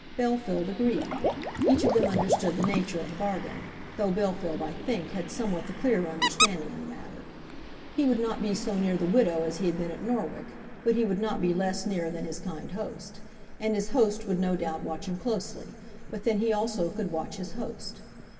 Bellfield agreed, Each of them understood the nature of the bargain; though Bellfield, I think, had somewhat the clearer understanding in the matter. He would not be so near the widow as he had been at Norwich, but he would not be less near than his kind host. And his host would no doubt watch him closely; but then he also could watch his host.